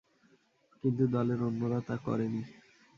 কিন্তু দলের অন্যরা তা করেনি।